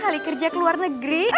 hari kerja ke luar negeri